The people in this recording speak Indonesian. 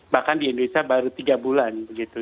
bahkan di indonesia baru tiga bulan